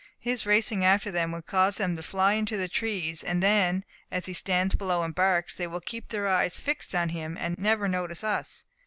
His racing after them will cause them to fly into the trees; and then as he stands below and barks, they will keep their eyes fixed on him, and never notice us.